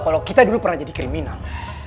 kalau kita dulu pernah jadi kriminal